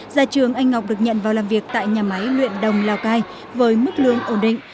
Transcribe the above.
ra trường anh ngọc được nhận vào làm việc tại nhà máy luyện đồng lào cai với mức lương ổn định